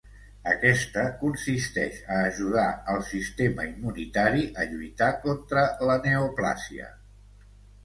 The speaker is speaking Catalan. Aquesta consisteix a ajudar al sistema immunitari a lluitar contra la neoplàsia.